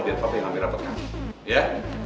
biar papi ngambil rapat kamu ya